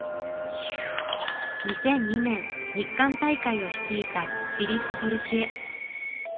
２００２年日韓大会を率いたフィリップ・トルシエ。